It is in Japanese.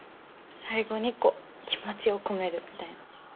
最後にこう気持ちを込めるみたいな。